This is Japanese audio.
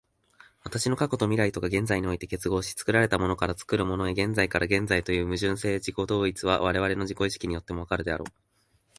私の過去と未来とが現在において結合し、作られたものから作るものへ、現在から現在へという矛盾的自己同一は、我々の自己意識によっても分かるであろう。